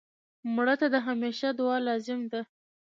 مړه ته د همېشه دعا لازم ده